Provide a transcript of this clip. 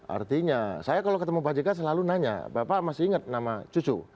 artinya saya kalau ketemu pak jk selalu nanya bapak masih ingat nama cucu